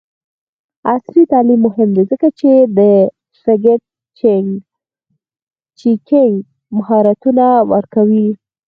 عصري تعلیم مهم دی ځکه چې د فکټ چیکینګ مهارتونه ورکوي.